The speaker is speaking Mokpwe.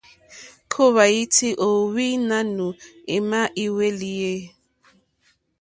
Kahva iti o ohwi nanù ema i hwelì e?